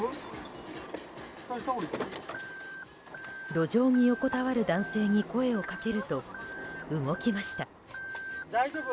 路上に横たわる男性に声をかけると動きました。